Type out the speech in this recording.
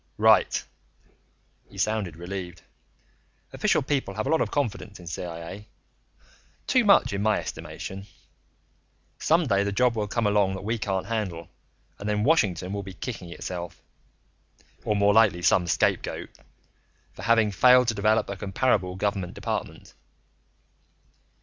"Right." He sounded relieved. Official people have a lot of confidence in CIA; too much, in my estimation. Some day the job will come along that we can't handle, and then Washington will be kicking itself or, more likely, some scapegoat for having failed to develop a comparable government department.